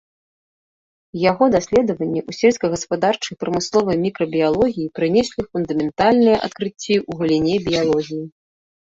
Яго даследаванні ў сельскагаспадарчай і прамысловай мікрабіялогіі прынеслі фундаментальныя адкрыцці ў галіне біялогіі.